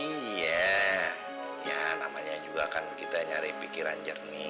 iya ya namanya juga kan kita nyari pikiran lo gak kusut ya